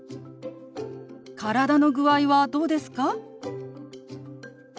「体の具合はどうですか？」。